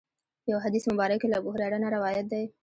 په یو حدیث مبارک کې له ابوهریره نه روایت دی.